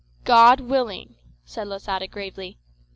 "God willing," said Losada gravely.